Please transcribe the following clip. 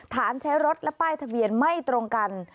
ใช้รถและป้ายทะเบียนไม่ตรงกัน